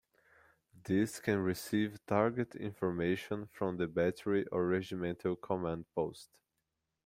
This can receive target information from the battery or regimental command post.